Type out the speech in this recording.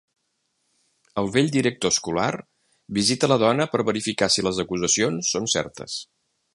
El vell director escolar visita la dona per verificar si les acusacions són certes.